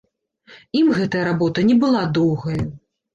Ім гэтая работа не была доўгая.